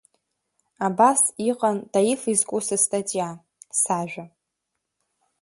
Абас иҟан Таиф изку сыстатиа, сажәа.